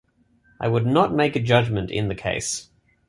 I would not make a judgment in the case.